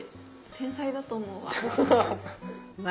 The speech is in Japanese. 天才だと思うわ。